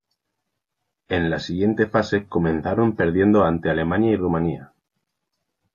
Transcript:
En la siguiente fase comenzaron perdiendo ante Alemania y Rumanía.